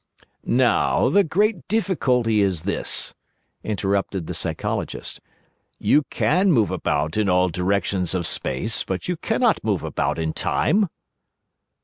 "But the great difficulty is this," interrupted the Psychologist. 'You can move about in all directions of Space, but you cannot move about in Time."